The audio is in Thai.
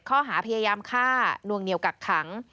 ข้อหาพยายามฆ่านวงเหนียวกักขัง